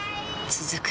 続く